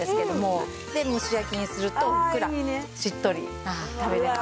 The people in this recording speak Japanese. で蒸し焼きにするとふっくらしっとり食べれます。